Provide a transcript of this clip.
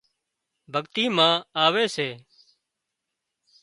ڀڳتي مان آوي سي